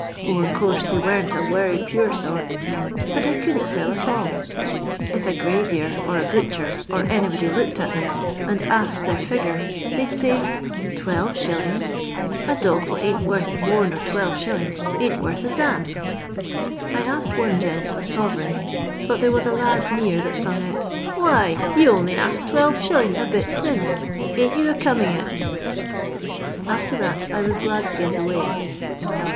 0, in course they weren't a weny pure sort But I couldn't sell at all. If a grazier, or a butcher, or anybody looked at them, and asked their figure, they 'd say, ' Twelve shillings 1 a dog what ain't worth more nor 12s, ain't worth a d — n !' I asked one gent a sove reign, but there was a hid near that sung out, * Why, you only axed 12«. a bit since ; ain't you a coming it V After that, I was glad to get away.